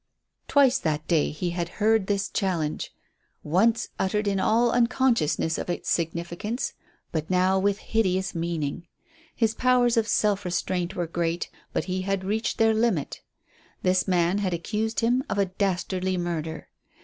Twice that day he had heard this challenge. Once uttered in all unconsciousness of its significance, but now with hideous meaning. His powers of self restraint were great, but he had reached their limit. This man had accused him of a dastardly murder.